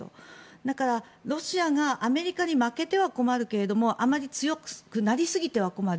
だから、ロシアがアメリカに負けては困るけれどもあまり強くなりすぎても困る。